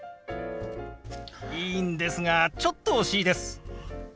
いいんですがちょっと惜しいです。